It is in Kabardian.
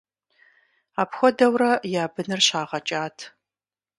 Апхуэдэурэ я быныр щагъэкӀат.